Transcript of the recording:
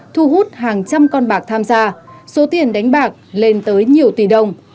thu hút hàng trăm con bạc tham gia số tiền đánh bạc lên tới nhiều tỷ đồng